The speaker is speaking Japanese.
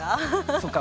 そっか。